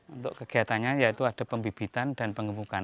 untuk kegiatannya yaitu ada pembibitan dan pengembukan